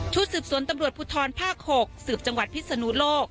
สืบสวนตำรวจภูทรภาค๖สืบจังหวัดพิศนุโลก